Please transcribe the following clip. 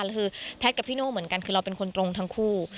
แล้วคือแพทย์กับพี่โน่เหมือนกันคือเราเป็นคนตรงทั้งคู่